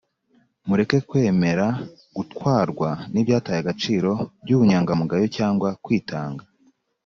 Mureke kwemera gutwarwa n’ibyataye agaciro by’ubunyangamugayo cyangwa kwitanga